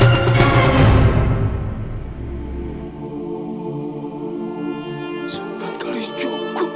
ayolah ikut aku